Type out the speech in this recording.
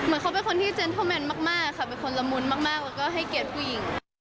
เขาเป็นคนที่เจนเทอร์แมนมากค่ะเป็นคนละมุนมากแล้วก็ให้เกียรติผู้หญิง